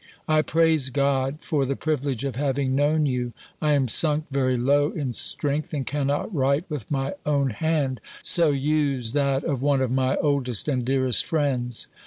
I praise God for the privilege of having known you. I am sunk very low in strength, and cannot write with my own hand, so use that of one of my oldest and dearest friends.